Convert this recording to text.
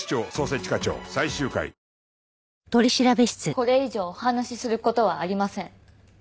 これ以上お話しする事はありません。